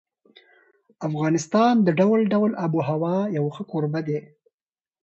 افغانستان د ډول ډول آب وهوا یو ښه کوربه دی.